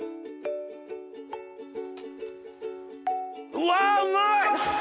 うわうまい！